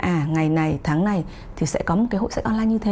à ngày này tháng này thì sẽ có một cái hội sách online như thế